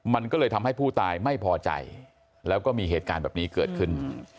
มันก็เลยทำให้ผู้ตายไม่พอใจแล้วก็มีเหตุการณ์แบบนี้เกิดขึ้น